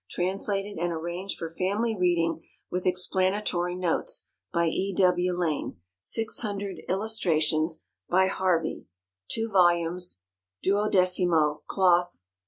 Translated and Arranged for Family Reading, with Explanatory Notes, by E. W. LANE. 600 Illustrations by Harvey. 2 vols., 12mo, Cloth, $3.